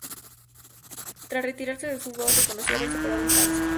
Tras retirarse del fútbol reconoció haber superado un cáncer.